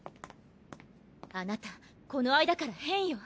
あなたこの間から変よ。